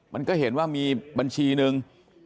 มันก็เห็นว่ามีบัญชีหนึ่ง